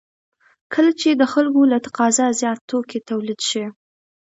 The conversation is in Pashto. کله چې د خلکو له تقاضا زیات توکي تولید شي